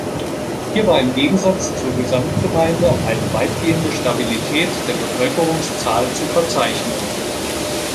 Hier war im Gegensatz zur Gesamtgemeinde eine weitgehende Stabilität der Bevölkerungszahl zu verzeichnen.